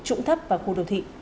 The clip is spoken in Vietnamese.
trụng thấp và khu đồ thị